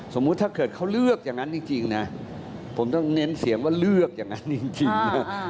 ถ้าเกิดเขาเลือกอย่างนั้นจริงนะผมต้องเน้นเสียงว่าเลือกอย่างนั้นจริงนะ